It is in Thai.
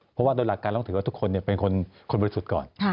เพราะว่าโดยหลักการต้องถือว่าทุกคนเป็นคนบริสุทธิ์ก่อน